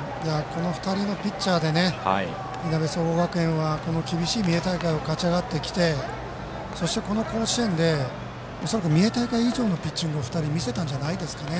この２人のピッチャーでいなべ総合学園は厳しい三重大会を勝ち上がってきてそして、この甲子園で恐らく、三重大会以上のピッチングを２人は見せたんじゃないですかね。